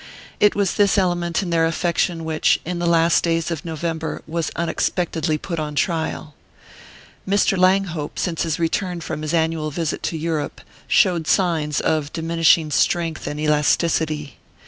It was this element in their affection which, in the last days of November, was unexpectedly put on trial. Mr. Langhope, since his return from his annual visit to Europe, showed signs of diminishing strength and elasticity.